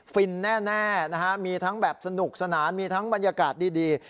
ฟินแน่นะฮะมีทั้งแบบสนุกสนานมีทั้งบรรยากาศดี